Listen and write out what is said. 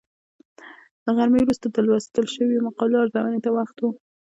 له غرمې وروسته د لوستل شویو مقالو ارزونې ته وخت و.